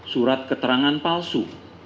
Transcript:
surat keterangan palsu